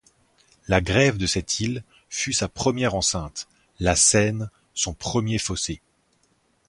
La grève de cette île fut sa première enceinte, la Seine son premier fossé.